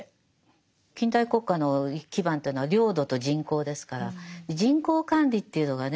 近代国家の基盤というのは領土と人口ですから人口管理っていうのがね